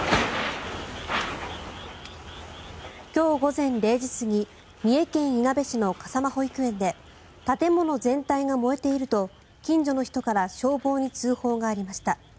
今日午前０時すぎ三重県いなべ市の笠間保育園で建物全体が燃えていると近所の人から消防に通報がありました。